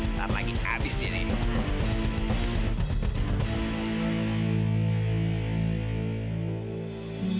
ntar lagi abis dia nih